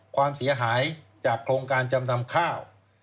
ความเสียหายจากโครงการจำนำข้าว